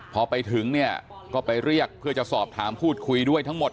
พอไปถึงเนี่ยก็ไปเรียกเพื่อจะสอบถามพูดคุยด้วยทั้งหมด